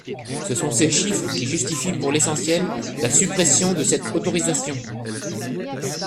Ce sont ces chiffres qui justifient pour l’essentiel la suppression de cette autorisation.